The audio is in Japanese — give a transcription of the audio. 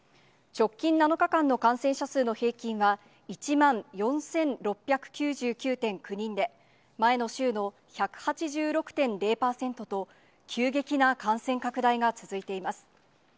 直近７日間の感染者数の平均は、１万４６９９．９人で、前の週の１８６．０％と、急激な感染拡大が続いています。